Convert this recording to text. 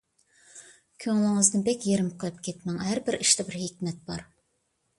كۆڭلىڭىزنى بەك يېرىم قىلىپ كەتمەڭ، ھەربىر ئىشتا بىر ھېكمەت بار.